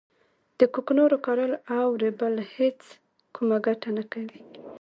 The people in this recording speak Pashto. د کوکنارو کرل او رېبل هیڅ کومه ګټه نه کوي